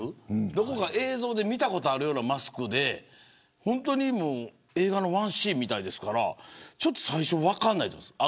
どこか映像で見たことあるようなマスクで映画のワンシーンみたいですから最初は分からないと思います。